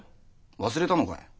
忘れたのかい？